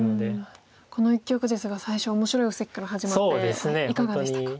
この一局ですが最初面白い布石から始まっていかがでしたか？